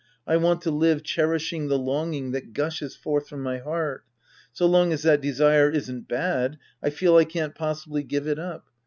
I want to live cherishing the longing that gushes forth from my heart. So long as that desire isn't bad, I feel I can't possibly give it up.